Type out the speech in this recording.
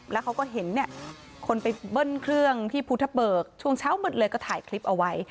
แล้วเขาก็เห็นเนี่ยคนไปเบิ้ลเครื่องที่ภูทะเบิกช่วงเช้ามืดเลยก็ถ่ายคลิปเอาไว้